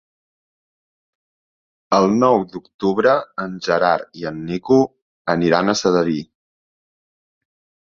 El nou d'octubre en Gerard i en Nico aniran a Sedaví.